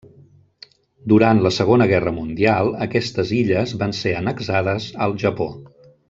Durant la Segona Guerra Mundial aquestes illes van ser annexades al Japó.